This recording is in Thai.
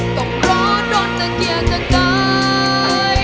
ต้องรอโดนตะเกียกจะกาย